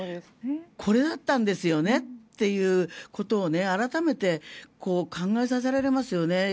これだったんですよねっていうことを改めて考えさせられますよね。